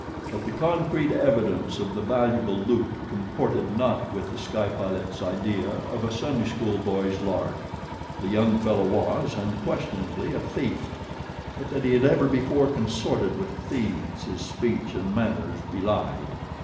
But the concrete evidence of the valuable loot comported not with The Sky Pilot's idea of a Sunday school boy's lark. The young fellow was, unquestionably, a thief; but that he had ever before consorted with thieves his speech and manners belied.